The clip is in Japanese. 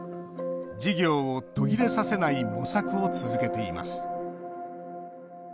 事業を途切れさせない模索を続けています